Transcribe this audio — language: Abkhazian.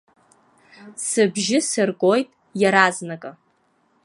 Сыбжьы сыргоит иаразнакы.